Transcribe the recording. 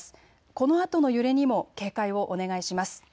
このあとの揺れにも警戒をお願いします。